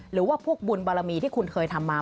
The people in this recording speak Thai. หรือว่าพวกบุญบารมีที่คุณเคยทำมา